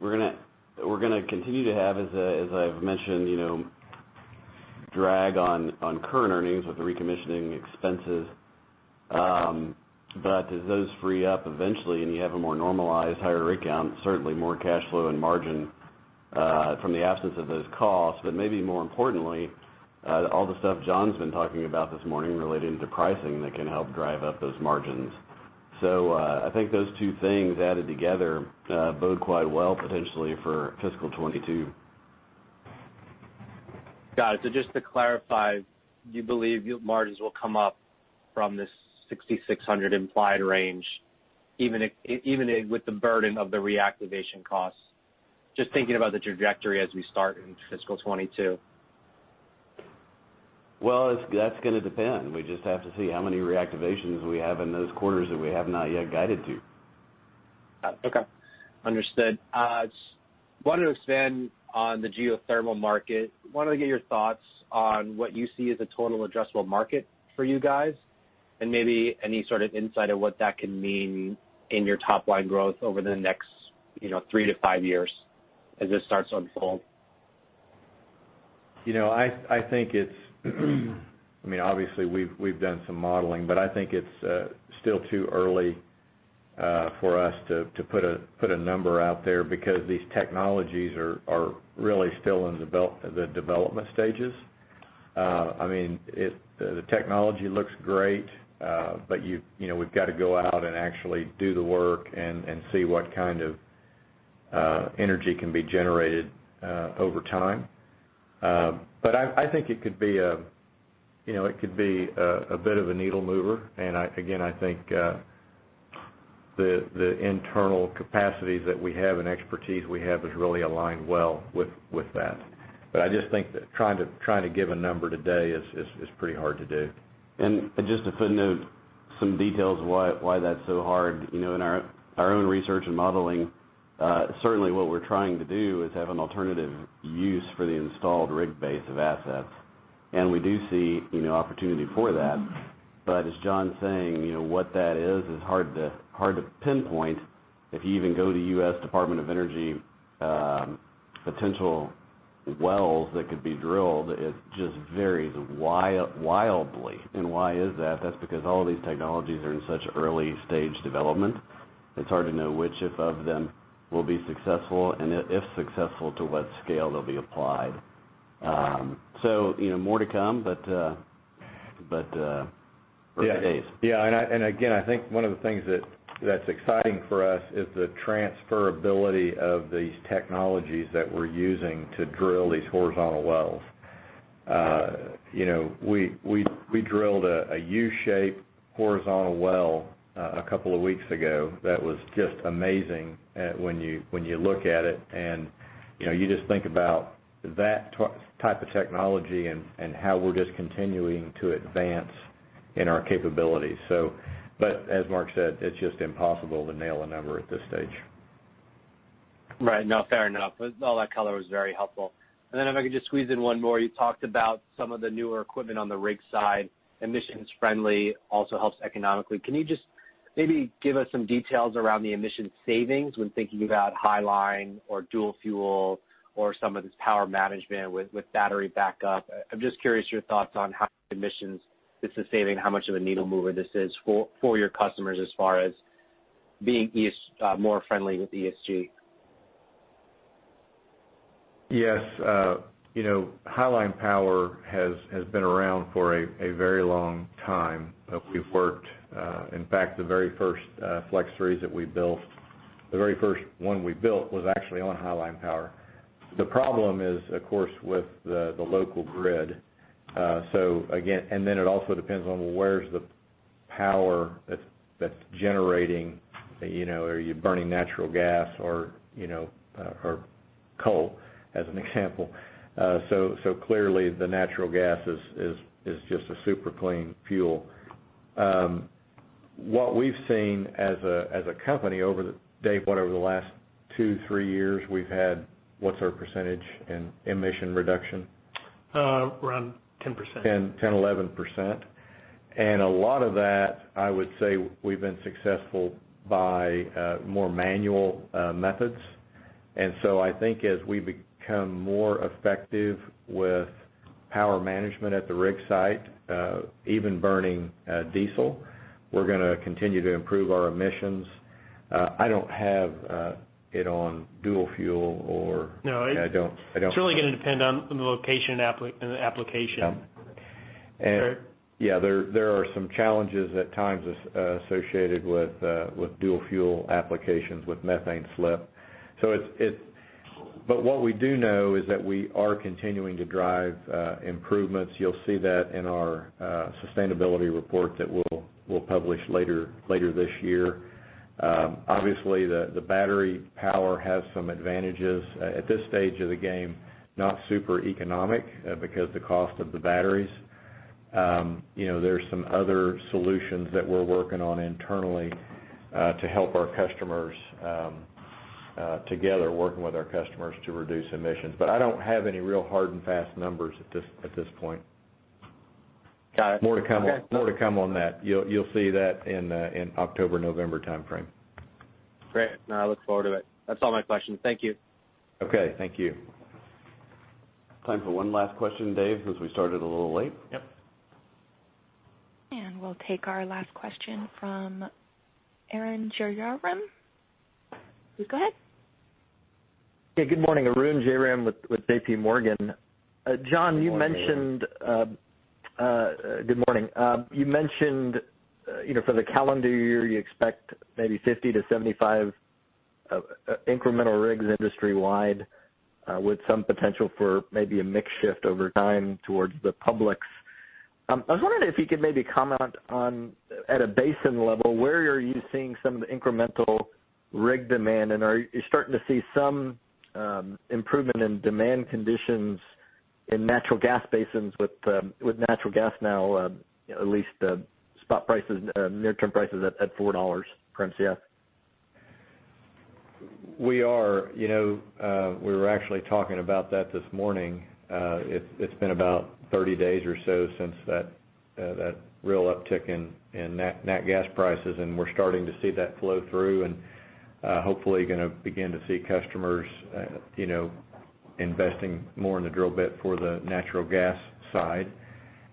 we're gonna continue to have, as I've mentioned, drag on current earnings with the recommissioning expenses. As those free up eventually and you have a more normalized higher rig count, certainly more cash flow and margin from the absence of those costs. Maybe more importantly, all the stuff John's been talking about this morning relating to pricing that can help drive up those margins. I think those two things added together bode quite well potentially for fiscal 2022. Got it. Just to clarify, you believe your margins will come up from this $6,600 implied range? Even with the burden of the reactivation costs. Just thinking about the trajectory as we start in fiscal 2022. Well, that's going to depend. We just have to see how many reactivations we have in those quarters that we have not yet guided to. Okay. Understood. Wanted to expand on the geothermal market. Wanted to get your thoughts on what you see as a total addressable market for you guys, and maybe any sort of insight of what that can mean in your top-line growth over the next three to five years as this starts to unfold. Obviously, we've done some modeling, but I think it's still too early for us to put a number out there because these technologies are really still in the development stages. The technology looks great, but we've got to go out and actually do the work and see what kind of energy can be generated over time. I think it could be a bit of a needle mover, and again, I think the internal capacities that we have and expertise we have is really aligned well with that. I just think that trying to give a number today is pretty hard to do. Just a footnote, some details why that's so hard. In our own research and modeling, certainly what we're trying to do is have an alternative use for the installed rig base of assets, and we do see opportunity for that. As John's saying, what that is hard to pinpoint. If you even go to U.S. Department of Energy, potential wells that could be drilled, it just varies wildly. Why is that? That's because all of these technologies are in such early-stage development, it's hard to know which of them will be successful, and if successful, to what scale they'll be applied. More to come, but early days. Yeah. Again, I think one of the things that's exciting for us is the transferability of these technologies that we're using to drill these horizontal wells. We drilled a U-shaped horizontal well a couple of weeks ago that was just amazing when you look at it, and you just think about that type of technology and how we're just continuing to advance in our capabilities. As Mark said, it's just impossible to nail a number at this stage. Right. No, fair enough. All that color was very helpful. Then if I could just squeeze in one more. You talked about some of the newer equipment on the rig side, emissions friendly, also helps economically. Can you just maybe give us some details around the emissions savings when thinking about highline or dual-fuel or some of this power management with battery backup? I'm just curious your thoughts on how emissions this is saving, how much of a needle mover this is for your customers as far as being more friendly with ESG. Yes. Highline power has been around for a very long time. In fact, the very first FlexRigs that we built, the very first one we built was actually on highline power. The problem is, of course, with the local grid. It also depends on where's the power that's generating. Are you burning natural gas or coal, as an example? Clearly, the natural gas is just a super clean fuel. What we've seen as a company, Dave, over the last two, three years, what's our percentage in emission reduction? Around 10%. 10%, 11%. A lot of that, I would say, we've been successful by more manual methods. I think as we become more effective with power management at the rig site, even burning diesel, we're going to continue to improve our emissions. I don't have it on dual-fuel or. No. I don't. It's really going to depend on the location and the application. Yep. Right? Yeah, there are some challenges at times associated with dual-fuel applications with methane slip. What we do know is that we are continuing to drive improvements. You'll see that in our sustainability report that we'll publish later this year. Obviously, the battery power has some advantages. At this stage of the game, not super economic because the cost of the batteries. There's some other solutions that we're working on internally to help our customers together, working with our customers to reduce emissions. I don't have any real hard and fast numbers at this point. Got it. Okay. More to come on that. You'll see that in October, November timeframe. Great. No, I look forward to it. That's all my questions. Thank you. Okay. Thank you. Time for one last question, Dave, since we started a little late. Yep. We'll take our last question from Arun Jayaram. Please go ahead. Yeah, good morning. Arun Jayaram with JPMorgan. Good morning, Arun. Good morning. You mentioned for the calendar year, you expect maybe 50-75 incremental rigs industry-wide with some potential for maybe a mix shift over time towards the publics. I was wondering if you could maybe comment on, at a basin level, where are you seeing some of the incremental rig demand? Are you starting to see some improvement in demand conditions in natural gas basins with natural gas now at least spot prices, near-term prices at $4 per Mcf? We are. We were actually talking about that this morning. It has been about 30 days or so since that real uptick in nat gas prices, and we are starting to see that flow through, and hopefully going to begin to see customers investing more in the drill bit for the natural gas side.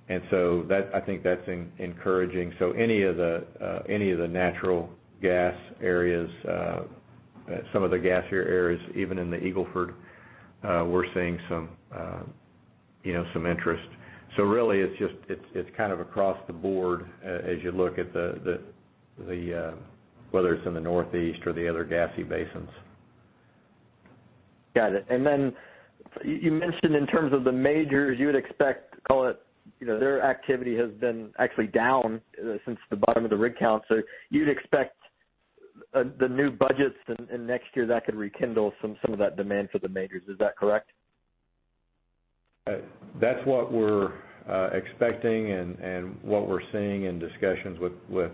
I think that is encouraging. Any of the natural gas areas, some of the gassier areas, even in the Eagle Ford, we are seeing some interest. Really, it is kind of across the board as you look at whether it is in the Northeast or the other gassy basins. Got it. You mentioned in terms of the majors, you would expect, call it, their activity has been actually down since the bottom of the rig count. You'd expect the new budgets in next year, that could rekindle some of that demand for the majors. Is that correct? That's what we're expecting and what we're seeing in discussions with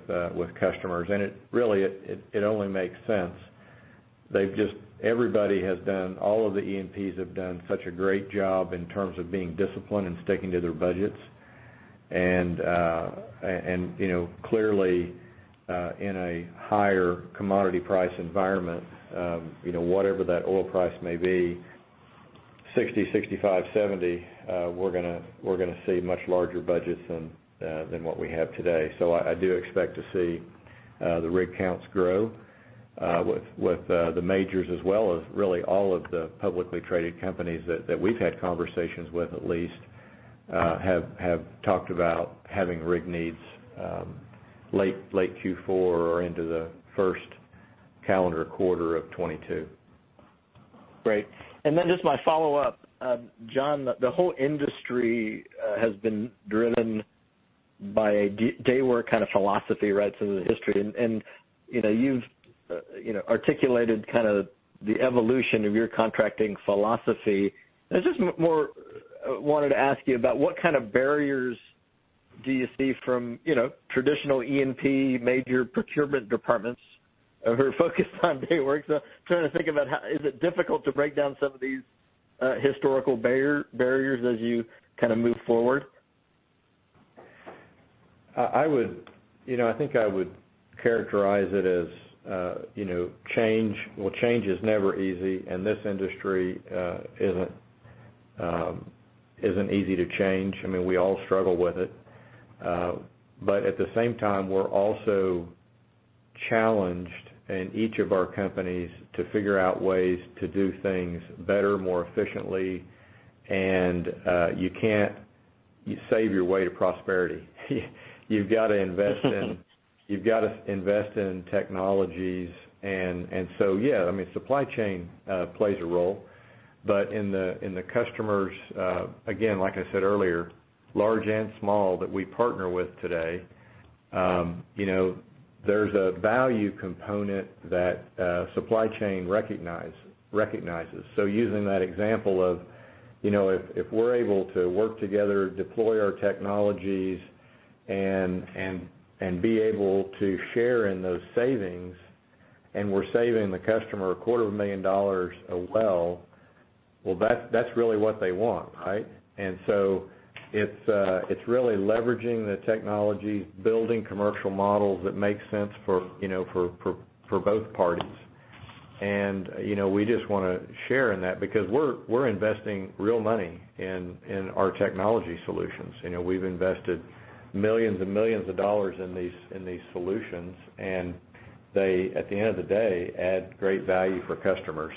customers. Really, it only makes sense. All of the E&Ps have done such a great job in terms of being disciplined and sticking to their budgets. Clearly, in a higher commodity price environment, whatever that oil price may be, $60, $65, $70, we're going to see much larger budgets than what we have today. I do expect to see the rig counts grow with the majors as well as really all of the publicly traded companies that we've had conversations with at least have talked about having rig needs late Q4 or into the first calendar quarter of 2022. Then just my follow-up. John, the whole industry has been driven by a daywork kind of philosophy right through the history. You've articulated the evolution of your contracting philosophy. I just more wanted to ask you about what kind of barriers do you see from traditional E&P major procurement departments who are focused on daywork? I'm trying to think about how, is it difficult to break down some of these historical barriers as you move forward? I think I would characterize it as change is never easy, and this industry isn't easy to change. We all struggle with it. At the same time, we're also challenged in each of our companies to figure out ways to do things better, more efficiently. You can't save your way to prosperity. You've got to invest in technologies. Yeah, supply chain plays a role. In the customers, again, like I said earlier, large and small that we partner with today, there's a value component that supply chain recognizes. Using that example of if we're able to work together, deploy our technologies, and be able to share in those savings, and we're saving the customer a quarter of a million dollars a well, well, that's really what they want, right? It's really leveraging the technologies, building commercial models that make sense for both parties. We just want to share in that because we're investing real money in our technology solutions. We've invested millions and millions of dollars in these solutions, and they, at the end of the day, add great value for customers.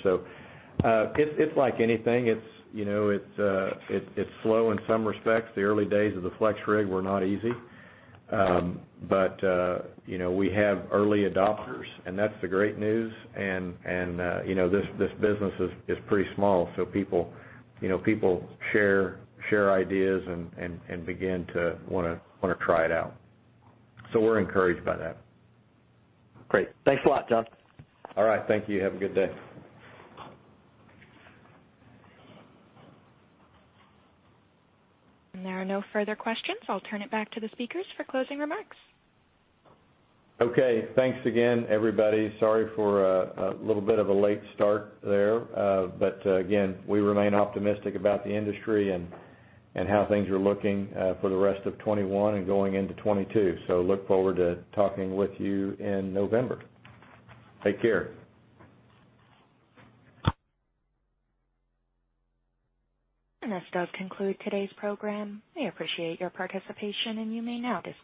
It's like anything. It's slow in some respects. The early days of the FlexRig were not easy. We have early adopters, and that's the great news. This business is pretty small. People share ideas and begin to want to try it out. We're encouraged by that. Great. Thanks a lot, John. All right. Thank you. Have a good day. There are no further questions. I'll turn it back to the speakers for closing remarks. Okay. Thanks again, everybody. Sorry for a little bit of a late start there. Again, we remain optimistic about the industry and how things are looking for the rest of 2021 and going into 2022. Look forward to talking with you in November. Take care. This does conclude today's program. We appreciate your participation, and you may now disconnect.